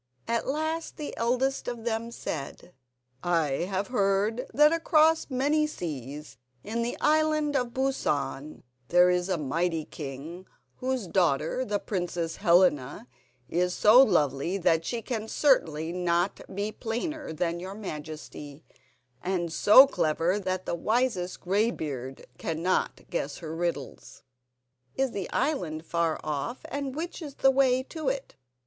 At last the eldest of them said: "I have heard that across many seas, in the Island of Busan, there is a mighty king, whose daughter, the Princess Helena, is so lovely that she can certainly not be plainer than your Majesty, and so clever that the wisest greybeard cannot guess her riddles." "Is the island far off, and which is the way to it?"